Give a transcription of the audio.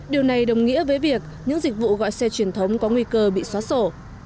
điều này đồng nghĩa với việc những dịch vụ gọi xe truyền thống có nguy cơ bị xóa sổ